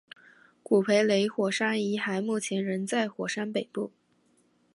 古培雷火山遗骸目前仍在火山北部。